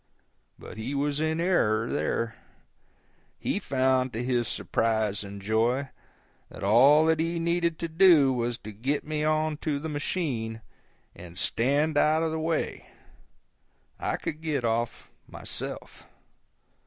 But he was in error there. He found, to his surprise and joy, that all that he needed to do was to get me on to the machine and stand out of the way; I could get off, myself.